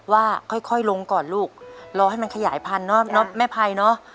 ว่าค่อยลงก่อนลูกรอให้มันขยายพันธุเนอะแม่ภัยเนอะ